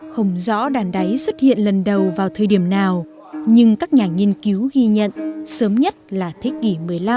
không rõ đàn đáy xuất hiện lần đầu vào thời điểm nào nhưng các nhà nghiên cứu ghi nhận sớm nhất là thế kỷ một mươi năm